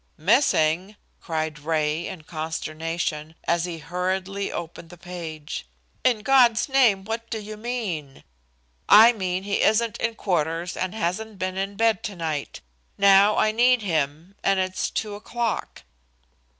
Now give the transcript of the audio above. "Missing!" cried Ray, in consternation, as he hurriedly opened the page. "In God's name what do you mean?" "I mean he isn't in quarters and hasn't been in bed to night. Now I need him and it's two o'clock."